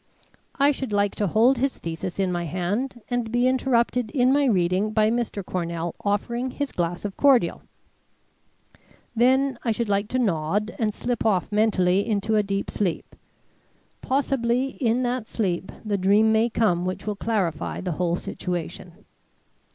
"I should like to hold his thesis in my hand and be interrupted in my reading by Mr. Cornell offering his glass of cordial; then I should like to nod and slip off mentally into a deep sleep. Possibly in that sleep the dream may come which will clarify the whole situation.